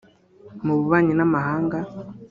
Mu bubanyi n’amahanga